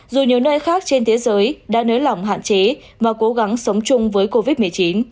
dù nhiều nơi khác trên thế giới đã nới lỏng hạn chế và cố gắng sống chung với covid một mươi chín